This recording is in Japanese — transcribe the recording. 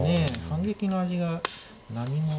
反撃の味が何も。